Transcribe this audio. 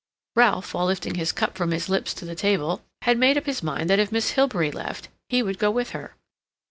Ralph, while lifting his cup from his lips to the table, had made up his mind that if Miss Hilbery left, he would go with her.